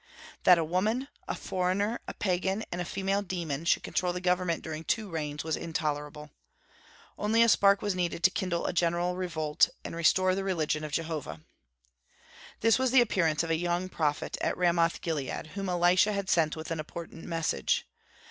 That a woman, a foreigner, a pagan, and a female demon should control the government during two reigns was intolerable. Only a spark was needed to kindle a general revolt, and restore the religion of Jehovah. This was the appearance of a young prophet at Ramoth Gilead, whom Elisha had sent with an important message.